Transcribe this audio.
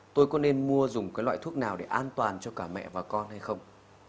tôi có nên mua dùng cái loại thuốc nào để an toàn cho cả mẹ và con hay không